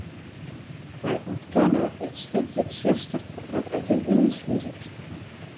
Wy ûntkenne it stikje tsjuster dat ek yn ús huzet.